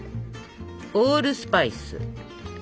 オールスパイス。